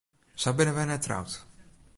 Sa binne wy net troud.